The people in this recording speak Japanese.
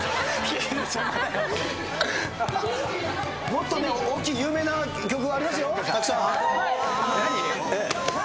もっと大きい有名な曲ありますよ。